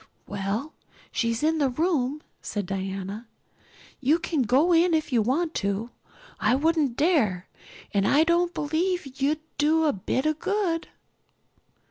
"Well, she's in the room," said Diana. "You can go in if you want to. I wouldn't dare. And I don't believe you'll do a bit of good."